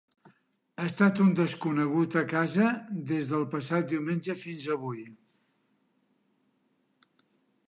Ha estat un desconegut a casa des del passat diumenge fins avui.